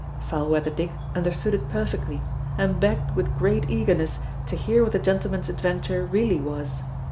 Foul weather Dick understood it perfectly, and begged with great eagerness to hear what the gentleman's adventure really was.